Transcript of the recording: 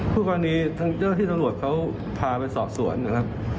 ผู้กรณีทางเจ้าที่ตำรวจเขาพาไปสอบสวนนะครับ